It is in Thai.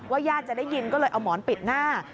ญาติจะได้ยินก็เลยเอาหมอนปิดหน้า